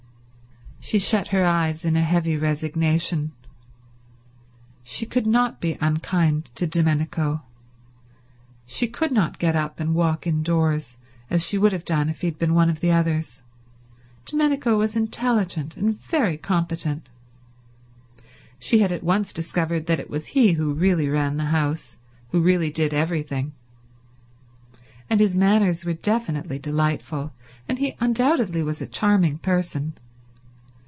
She shut her eyes in a heavy resignation. She could not be unkind to Domenico. She could not get up and walk indoors as she would have done if it had been one of the others. Domenico was intelligent and very competent. She had at once discovered that it was he who really ran the house, who really did everything. And his manners were definitely delightful, and he undoubtedly was a charming person.